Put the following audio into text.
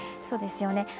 そうですよね。